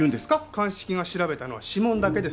鑑識が調べたのは指紋だけです。